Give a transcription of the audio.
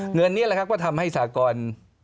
เงินนี้แหละครับก็ทำให้สากร